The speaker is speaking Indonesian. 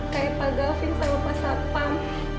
kayak pak gafin sama pak satpam